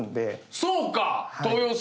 そうか！